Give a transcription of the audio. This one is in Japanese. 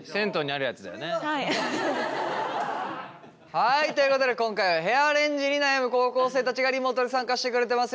はいということで今回はヘアアレンジに悩む高校生たちがリモートで参加してくれてます。